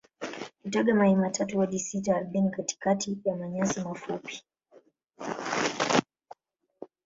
Hutaga mayai matatu hadi sita ardhini katikati ya manyasi mafupi.